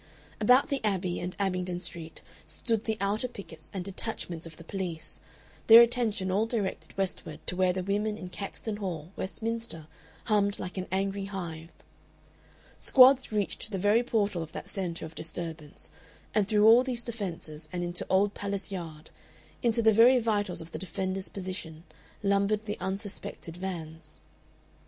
About the Abbey and Abingdon Street stood the outer pickets and detachments of the police, their attention all directed westward to where the women in Caxton Hall, Westminster, hummed like an angry hive. Squads reached to the very portal of that centre of disturbance. And through all these defences and into Old Palace Yard, into the very vitals of the defenders' position, lumbered the unsuspected vans.